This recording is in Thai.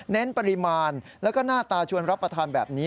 เน้นปริมาณและหน้าตาชวนรับประทานแบบนี้